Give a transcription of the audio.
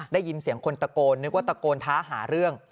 ได้ยินเสียงคนตะโกนนึกว่าตะโกนท้าหาเรื่อง